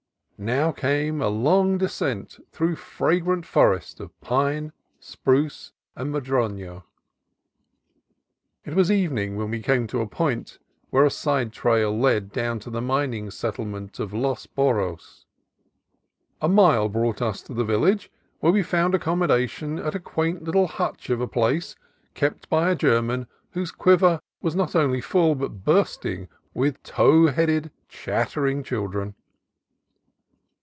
Now came a long descent through fragrant forest of pine, spruce, and madrono. It was evening when we came to a point where a side trail led down to the mining settlement of Los Burros. A mile brought us to the village, where we found accommodation at a quaint little hutch of a place, kept by a Ger man whose quiver was not only full, but bursting, with tow headed, chattering children.